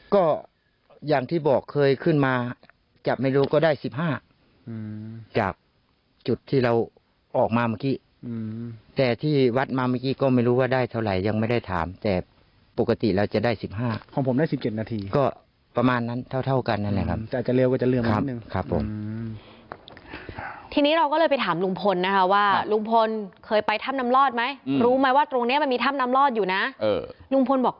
ก็ได้สิบห้าอืมจากจุดที่เราออกมาเมื่อกี้อืมแต่ที่วัดมาเมื่อกี้ก็ไม่รู้ว่าได้เท่าไรยังไม่ได้ถามแต่ปกติเราจะได้สิบห้าของผมได้สิบเจ็ดนาทีก็ประมาณนั้นเท่าเท่ากันนั่นแหละครับจะเร็วก็จะเรื่องครับครับผมอืมทีนี้เราก็เลยไปถามลุงพลนะคะว่าลุงพลเคยไปถ้ำน้ำลอดไหมอืมรู้ไหมว่าตรงเนี้ยมันมีถ้ำน้ำล